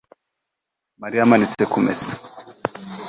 Mariya amanitse kumesa